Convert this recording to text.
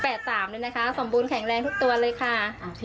แฝดสามเลยนะคะสมบูรณ์แข็งแรงทุกตัวเลยค่ะ